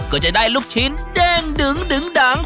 ก็จะได้ลูกชิ้นเด้งดึงดัง